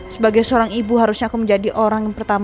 sebagai seorang ibu harusnya aku menjadi orang yang pertama